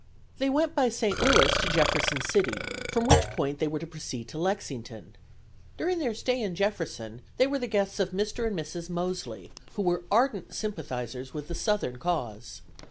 They went by St. Louis to Jefferson City, from which point they were to proceed to Lexington. During their stay in Jefferson they were the guests of Mr. and Mrs. Mosely, who were ardent sympathizers with the Southern cause.